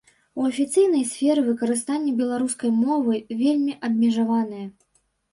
У афіцыйнай сферы выкарыстанне беларускай мовы вельмі абмежаванае.